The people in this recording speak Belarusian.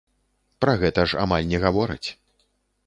Пра гэта ж амаль не гавораць.